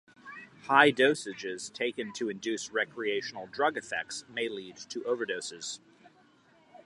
High dosages taken to induce recreational drug effects may lead to overdoses.